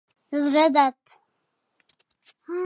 د زړه درد